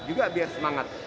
juga biar semangat